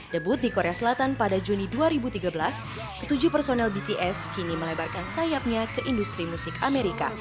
debut di korea selatan pada juni dua ribu tiga belas ketujuh personel bts kini melebarkan sayapnya ke industri musik amerika